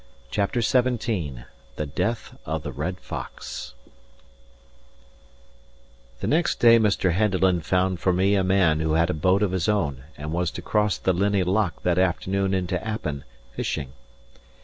CHAPTER XVII THE DEATH OF THE RED FOX The next day Mr. Henderland found for me a man who had a boat of his own and was to cross the Linnhe Loch that afternoon into Appin, fishing.